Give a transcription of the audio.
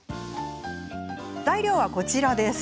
材料はこちらです。